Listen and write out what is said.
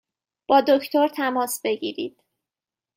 با دکتر تماس بگیرید!